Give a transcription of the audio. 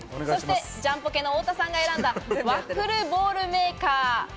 ジャンポケの太田さんが選んだワッフルボウルメーカー。